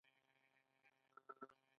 پاچا تل د خپل واک د ساتلو په فکر کې دى.